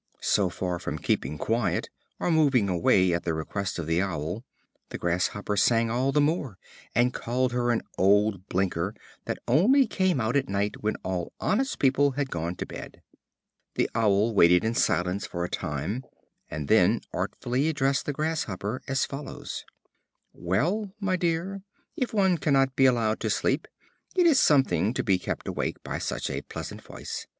So far from keeping quiet, or moving away at the request of the Owl, the Grasshopper sang all the more, and called her an old blinker, that only came out at night when all honest people had gone to bed. The Owl waited in silence for a time, and then artfully addressed the Grasshopper as follows: "Well, my dear, if one cannot be allowed to sleep, it is something to be kept awake by such a pleasant voice.